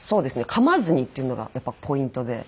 かまずにっていうのがやっぱポイントで。